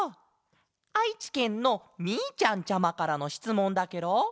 あいちけんのみーちゃんちゃまからのしつもんだケロ。